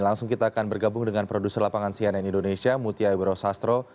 langsung kita akan bergabung dengan produser lapangan cnn indonesia mutia ebro sastro